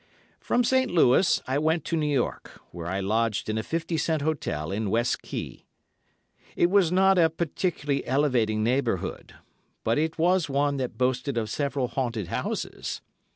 From St. Louis I went to New York, where I lodged in a fifty cent. hotel in West Quay. It was not a particularly elevating neighbourhood, but it was one that boasted of several haunted houses.